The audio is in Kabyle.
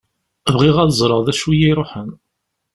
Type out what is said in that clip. Bɣiɣ ad ẓreɣ d acu i y-iruḥen.